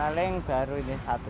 paling baru ini satu